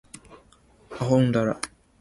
あほんだら